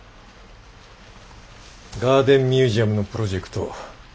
ガーデンミュージアムのプロジェクト